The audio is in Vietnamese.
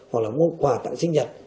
hoặc là mua quà tặng sinh nhật